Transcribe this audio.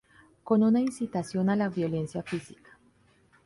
con una incitación a la violencia física